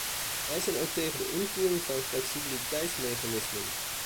Wij zijn ook tegen de invoering van flexibiliteitsmechanismen.